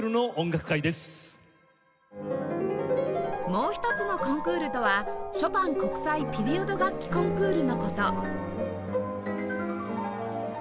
もう１つのコンクールとはショパン国際ピリオド楽器コンクールの事